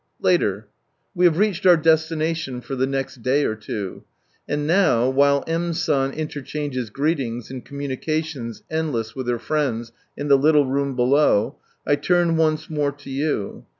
Later, — We have reached our destination for the next day or two ; and now, while M, San interchanges greetings and communications endless with her friends in the little room below, I turn once more to you.